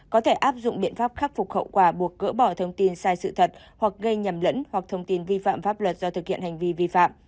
có thể áp dụng biện pháp khắc phục hậu quả buộc gỡ bỏ thông tin sai sự thật hoặc gây nhầm lẫn hoặc thông tin vi phạm pháp luật do thực hiện hành vi vi phạm